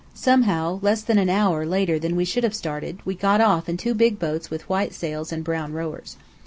Somehow, less than an hour later than we should have started, we got off in two big boats with white sails and brown rowers.